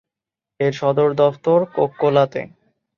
এর সদর দফতর কোককোলাতে।